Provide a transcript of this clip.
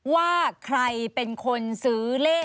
ว่าใครเป็นคนซื้อเลข